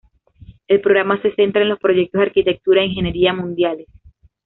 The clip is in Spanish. El programa se centra en los proyectos de arquitectura e ingeniería mundiales.